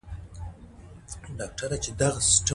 زغال د افغانستان د شنو سیمو ښکلا ده.